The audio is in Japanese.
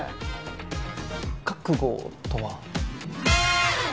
覚悟とは？